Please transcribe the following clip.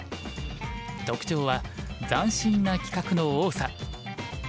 特徴は斬新な企画の多さ。